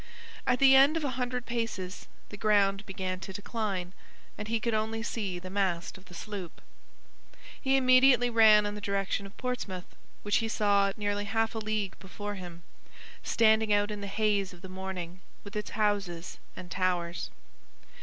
At the end of a hundred paces, the ground began to decline, and he could only see the mast of the sloop. He immediately ran in the direction of Portsmouth, which he saw at nearly half a league before him, standing out in the haze of the morning, with its houses and towers.